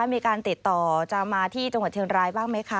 มีการติดต่อจะมาที่จังหวัดเชียงรายบ้างไหมคะ